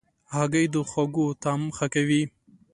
هګۍ د خوړو طعم ښه کوي.